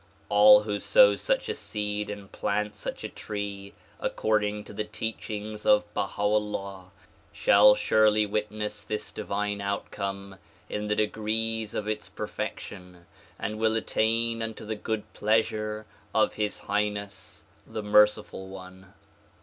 All who sow such a seed and plant such a tree according to the teachings of Baha 'Ullah shall surely witness this divine outcome in the degrees of its perfection and will attain unto the good pleasure of his highness the merciful One.